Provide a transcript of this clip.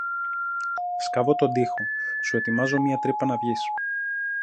Σκάβω τον τοίχο, σου ετοιμάζω μια τρύπα να βγεις